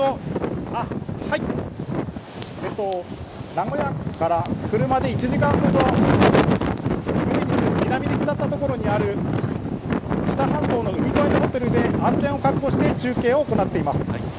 名古屋から車で１時間ほど愛知県、南に下った所にある知多半島の海沿いのホテルで安全を確保して中継を行っています。